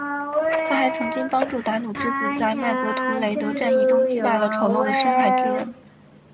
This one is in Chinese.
她还曾经帮助达努之子在麦格图雷德战役中击败了丑陋的深海巨人。